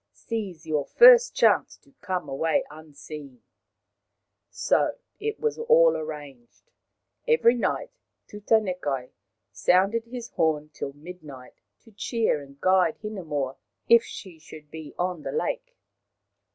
Seize your first chance to come away unseen." So it was all arranged. Every night Tutanekai sounded his horn till midnight to cheer and guide Hinemoa if she should be on the lake.